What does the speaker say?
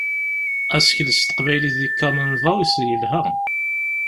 Asekles s teqbaylit di Common Voice yelha.